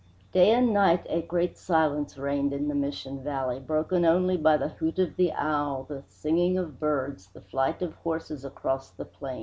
Day and night a great silence reigned in the Mission valley, broken only by the hoot of the owl, the singing of birds, the flight of horses across the plain.